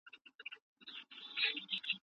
ولي مدام هڅاند د مستحق سړي په پرتله خنډونه ماتوي؟